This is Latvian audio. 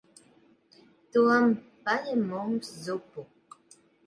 Tom. Paņem mums zupu.